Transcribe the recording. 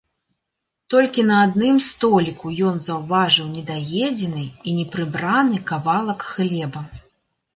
Толькі на адным століку ён заўважыў недаедзены і непрыбраны кавалак хлеба.